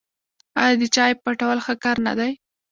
آیا د چا عیب پټول ښه کار نه دی؟